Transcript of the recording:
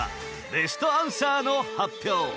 ベストアンサーの発表